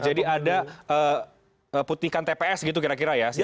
jadi ada putihkan tps gitu kira kira ya